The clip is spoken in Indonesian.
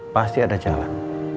pasti ada jalan